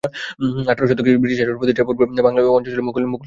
আঠারো শতকে ব্রিটিশ শাসন প্রতিষ্ঠার পূর্বে বাংলা অঞ্চল মুগল শাসনাধীনে ছিল।